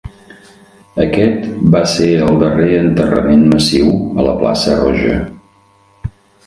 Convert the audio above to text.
Aquest va ser el darrer enterrament massiu a la plaça Roja.